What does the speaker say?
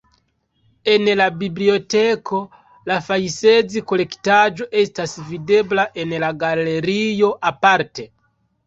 En la biblioteko la Fajszi-kolektaĵo estas videbla en la galerio aparte.